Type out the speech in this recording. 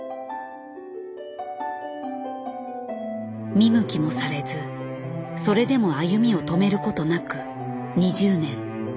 見向きもされずそれでも歩みを止めることなく２０年。